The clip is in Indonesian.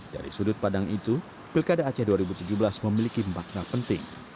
dari sudut padang itu pilkada aceh dua ribu tujuh belas memiliki makna penting